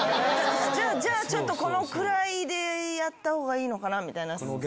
「じゃあちょっとこのくらいでやった方がいいのかな」みたいな。